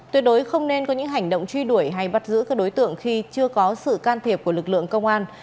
tuyệt đối không nên có những hành động truy đuổi hay bắt giữ các đối tượng khi chưa có sự can thiệp của lực lượng công an